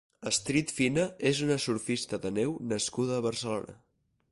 Astrid Fina és una surfista de neu nascuda a Barcelona.